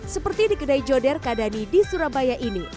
seperti di kedai joder kadani di surabaya ini